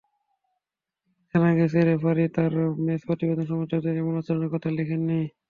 জানা গেছে, রেফারি তাঁর ম্যাচ প্রতিবেদনে সমর্থকদের এমন আচরণের কথা লেখেননি।